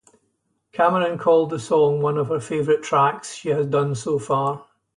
Cameron called the song "One of her favourite tracks she has done so far".